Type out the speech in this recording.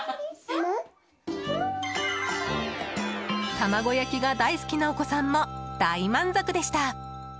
卵焼きが大好きなお子さんも大満足でした。